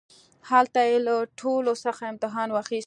هلته يې له ټولوڅخه امتحان واخيست.